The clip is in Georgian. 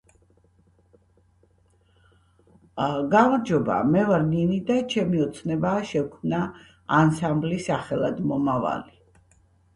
გამარჯობა მე ვარ ნინი და ჩემი ოცნებაა შევქმნა ანსამბლი სახელად "მომავალი"